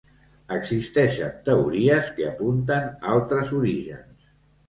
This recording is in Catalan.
Existeixen teories que apunten altres orígens.